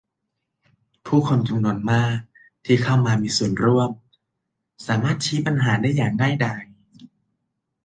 ผู้คนจำนวนมากที่เข้ามามีส่วนร่วมสามารถชี้ปัญหาได้อย่างง่ายดาย